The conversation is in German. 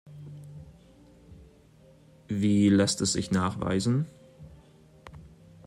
Wie lässt es sich nachweisen?